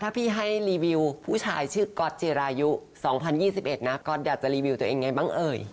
ถ้าพี่ให้รีวิวผู้ชายชื่อก๊อตจิรายุ๒๐๒๑นะก๊อตอยากจะรีวิวตัวเองไงบ้างเอ่ย